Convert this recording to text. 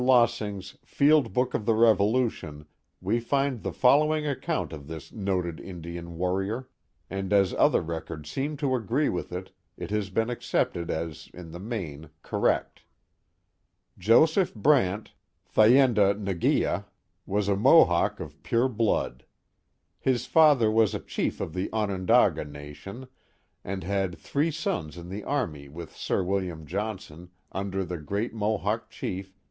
Lossing's Field Book of the Rri'olutioit we find the following account of this noted Indian warrior, and as other records seem to agree with it, it has been accepted as. in the main, correct : Joseph Brant (Thay cn da m His father nas a chief of the Oi gea) was a Mohawk of pure blood. ondaga nation, and had three sons in (he army with Sir William Johnson, under the great Mo hawk chief.